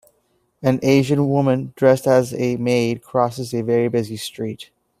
An Asian woman dressed as a maid crosses a very busy street.